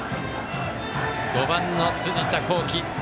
５番の辻田剛暉。